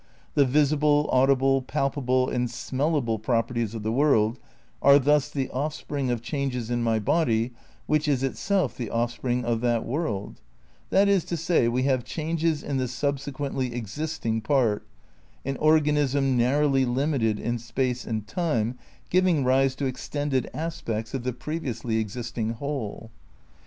The visible, audible, palpable and smellable properties of the world are thus the offspring of changes in my body which is itself the offspring of that world ; that is to say, we have changes in the sub sequently existing part, an organism narrowly limited in space and time, giving rise to extended aspects of the previously existing whole.